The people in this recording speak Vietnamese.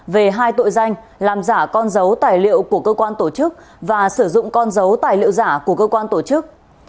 về hai tội danh làm giả con dấu tài liệu của cơ quan tổ chức và sử dụng con dấu tài liệu giả của cơ quan tổ chức